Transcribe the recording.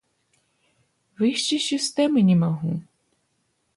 Выйсці з сістэмы не магу.